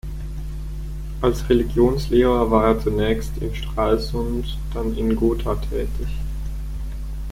Als Religionslehrer war er zunächst in Stralsund und dann in Gotha tätig.